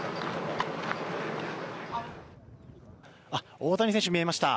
大谷選手、見えました。